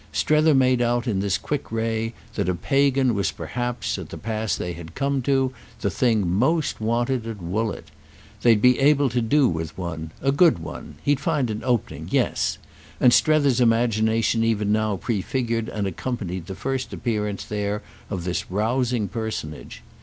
Strether made out in this quick ray that a Pagan was perhaps, at the pass they had come to, the thing most wanted at Woollett. They'd be able to do with one—a good one; he'd find an opening—yes; and Strether's imagination even now prefigured and accompanied the first appearance there of the rousing personage.